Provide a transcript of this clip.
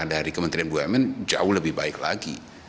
dari kementerian bumn jauh lebih baik lagi